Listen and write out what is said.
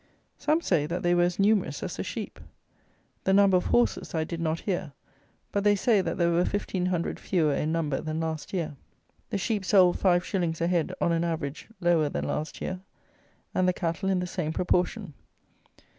Some say that they were as numerous as the sheep. The number of horses I did not hear; but they say that there were 1,500 fewer in number than last year. The sheep sold 5_s._ a head, on an average, lower than last year; and the cattle in the same proportion.